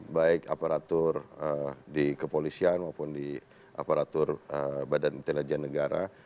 baik aparatur di kepolisian maupun di aparatur badan intelijen negara